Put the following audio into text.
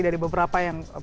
dari beberapa yang